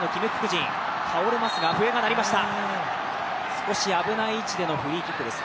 少し危ない位置でのフリーキックです。